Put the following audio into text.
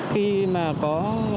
khi mà có